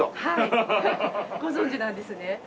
ご存じなんですね。